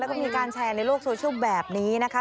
แล้วก็มีการแชร์ในโลกโซเชียลแบบนี้นะคะ